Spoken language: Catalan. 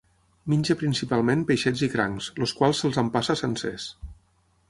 Menja principalment peixets i crancs, els quals se'ls empassa sencers.